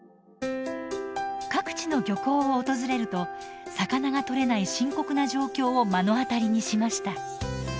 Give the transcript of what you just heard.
各地の漁港を訪れると魚が獲れない深刻な状況を目の当たりにしました。